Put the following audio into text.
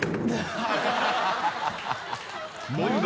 問題。